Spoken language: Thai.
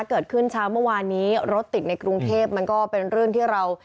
เกิดขึ้นเช้าเมื่อวานนี้รถติดในกรุงเทพมันก็เป็นเรื่องที่เรา